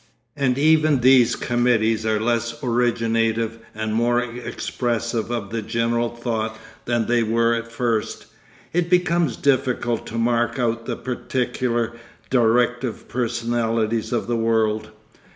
And even these committees are less originative and more expressive of the general thought than they were at first. It becomes difficult to mark out the particular directive personalities of the world.